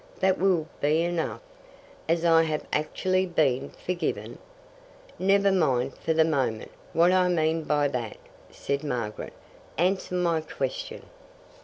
That will be enough." "As I have actually been forgiven ?" "Never mind for the moment what I mean by that," said Margaret. "Answer my question."